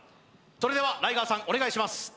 それではライガーさんお願いします